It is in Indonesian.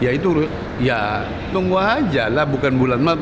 ya itu ya tunggu aja lah bukan bulan maret